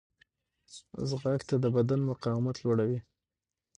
ځغاسته د بدن مقاومت لوړوي